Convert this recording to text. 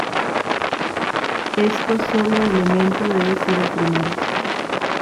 Esto solo elemento debe ser el primero.